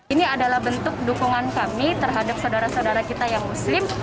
ini adalah bentuk dukungan kami terhadap saudara saudara kita yang muslim